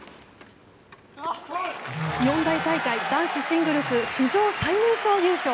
四大大会男子シングルス史上最年少優勝。